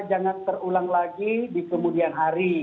jangan terulang lagi di kemudian hari